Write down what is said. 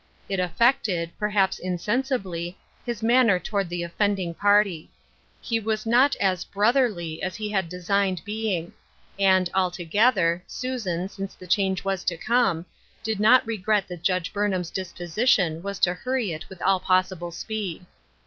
It affected, perhaps insen sibly, his manner toward the offending party. He was not as "brotherly" as he had designed being ; and altogether, Susan, since the change was to come, did nc>t regret that Judge Burn ham's disposition was to hurry it with all possi ble speed.